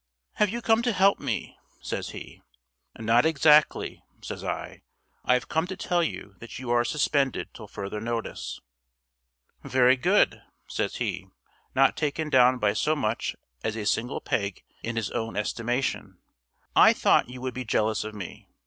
"Have you come to help me?" says he. "Not exactly," says I. "I've come to tell you that you are suspended till further notice." "Very good," says he, not taken down by so much as a single peg in his own estimation. "I thought you would be jealous of me.